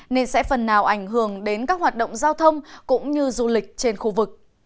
nên sẽ phần nào ảnh hưởng đến các hoạt động giao thông cũng như du lịch trên khu vực